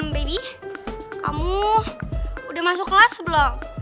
baby kamu udah masuk kelas belum